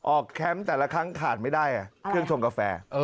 แคมป์แต่ละครั้งขาดไม่ได้เครื่องชงกาแฟ